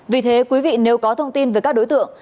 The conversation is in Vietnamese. vì thế quý vị nếu có thông tin về các đối tượng